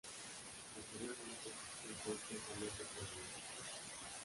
Posteriormente, viajó extensamente por Europa.